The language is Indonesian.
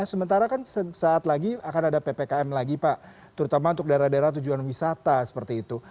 sementara kan saat lagi akan ada ppkm lagi pak terutama untuk daerah daerah tujuan wisata seperti itu